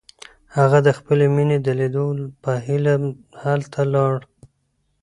هغه د خپلې مینې د لیدو په هیله هلته لاړ.